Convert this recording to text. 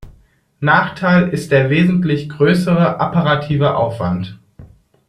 Nachteil ist der wesentlich größere apparative Aufwand.